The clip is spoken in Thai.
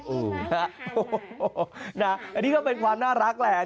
อันนี้ก็เป็นความน่ารักแหละ